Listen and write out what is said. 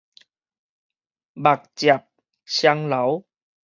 目汁雙流